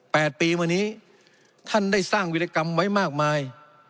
แปดปีมานี้ท่านได้สร้างวิรกรรมไว้มากมาย